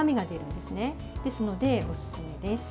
ですので、おすすめです。